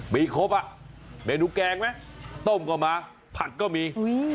มีครบอ่ะเมนูแกงไหมต้มก็มาผัดก็มี